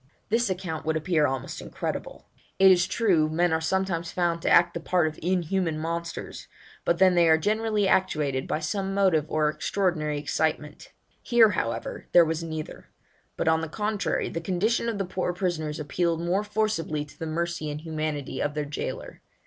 This account would appear almost incredible. It is true men are sometimes found to act the part of inhuman monsters, but then they are generally actuated by some motive or extraordinary excitement; here, however, there was neither; but on the contrary, the condition of the poor prisoners appealed most forcibly to the mercy and humanity of their jailor.